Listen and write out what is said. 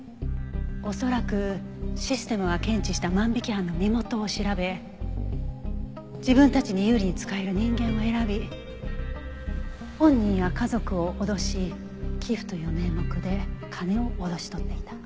恐らくシステムが検知した万引き犯の身元を調べ自分たちに有利に使える人間を選び本人や家族を脅し寄付という名目で金を脅し取っていた。